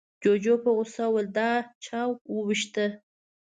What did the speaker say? جوجو په غوسه وويل، دا چا ووېشته؟